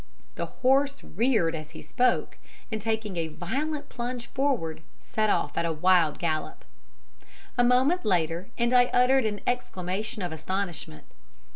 The horse reared as he spoke, and taking a violent plunge forward, set off at a wild gallop. A moment later, and I uttered an exclamation of astonishment.